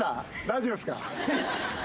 大丈夫ですか？